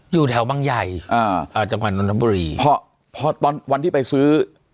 อยู่แถวบางใหญ่อ่าอ่าจังหวัดนทบุรีพอพอตอนวันที่ไปซื้อ